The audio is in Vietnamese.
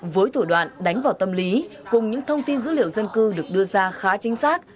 với thủ đoạn đánh vào tâm lý cùng những thông tin dữ liệu dân cư được đưa ra khá chính xác